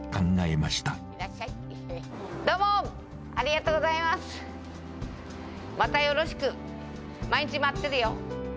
またよろしく！毎日待ってるよ。